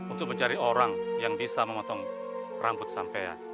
untuk mencari orang yang bisa memotong rambut sampea